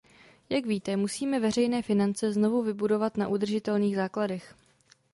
Jak víte, musíme veřejné finance znovu vybudovat na udržitelných základech.